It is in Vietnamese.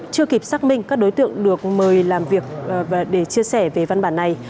chưa kịp xác minh các đối tượng được mời làm việc để chia sẻ về văn bản này